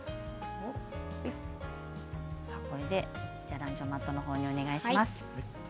ランチョンマットの方にお願いします。